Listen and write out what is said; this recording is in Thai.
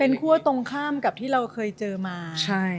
คั่วตรงข้ามกับที่เราเคยเจอมา